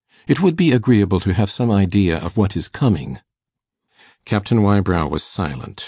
'It would be agreeable to have some idea of what is coming.' Captain Wybrow was silent.